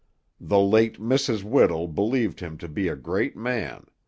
The late Mrs. Whittle believed him to be a great man.